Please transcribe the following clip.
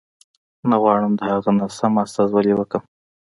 نه غواړم د هغه ناسمه استازولي وکړم.